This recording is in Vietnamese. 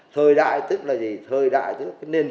thời đại tức là gì thời đại tức là nền kinh tế kết nối